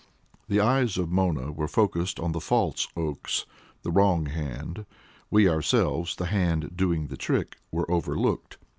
The eyes of Mona were focused on the false Oakes the wrong hand; we ourselves the hand doing the trick were over looked.